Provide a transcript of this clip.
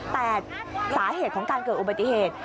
แต่สาเหตุของการเกิดอุบัติเหตุ